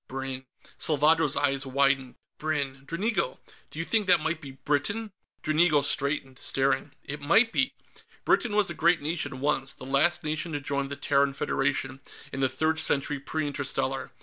"Brinn." Salvadro's eyes widened. "Brinn, Dranigo! Do you think that might be Britain?" Dranigo straightened, staring, "It might be! Britain was a great nation, once; the last nation to join the Terran Federation, in the Third Century Pre Interstellar.